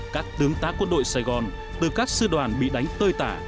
các tướng tá quân đội sài gòn từ các sư đoàn bị đánh tơi tả